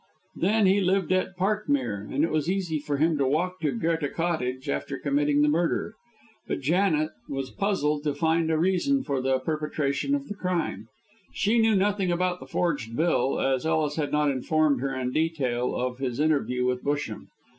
Then he lived at Parkmere, and it was easy for him to walk to Goethe Cottage after committing the murder. But Janet was puzzled to find a reason for the perpetration of the crime. She knew nothing about the forged bill, as Ellis had not informed her in detail of his interview with Busham.